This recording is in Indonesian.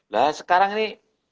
nah sekarang ini